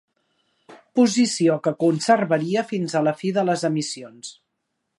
Posició que conservaria fins a la fi de les emissions.